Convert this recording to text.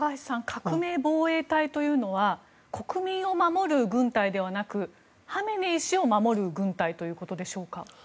革命防衛隊というのは国民を守る軍隊ではなくハメネイ師を守る軍隊ということでしょうか。